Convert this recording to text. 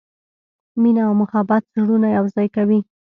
مینه او محبت زړونه یو ځای کوي.